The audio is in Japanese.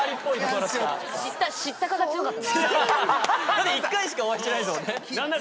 だって１回しかお会いしてないんすもんね。